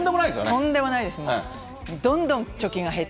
とんでもないです、